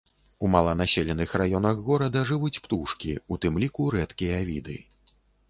У мала населеных раёнах горада жывуць птушкі, у тым ліку рэдкія віды.